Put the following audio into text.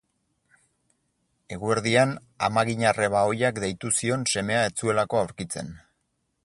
Eguerdian amaginarreba ohiak deitu zion semea ez zuelako aurkitzen.